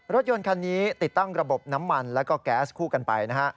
รถยนต์คันนี้ติดตั้งระบบน้ำมันแล้วก็แก๊สคู่กันไปนะฮะ